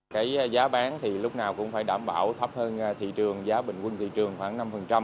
cái giá bán thì lúc nào cũng phải đảm bảo thấp hơn thị trường giá bình quân thị trường khoảng năm